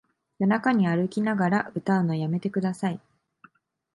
夜中に歩きながら歌うのやめてください